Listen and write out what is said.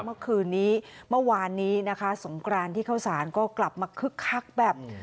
เมื่อวันนี้สงครานที่เข้าศาลก็กลับมาคึกคลักนะครับ